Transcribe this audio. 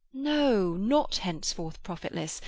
"No. Not henceforth profitless!